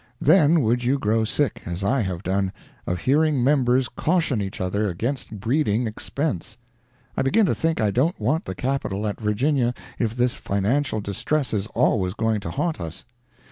Then would you grow sick, as I have done, of hearing members caution each other against breeding expense. I begin to think I don't want the Capital at Virginia if this financial distress is always going to haunt us.